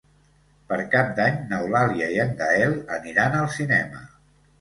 Per Cap d'Any n'Eulàlia i en Gaël aniran al cinema.